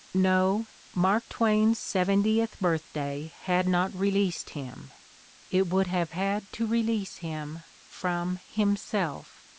No, Mark Twain's seventieth birthday had not re leased him: it would have had to release him from himself!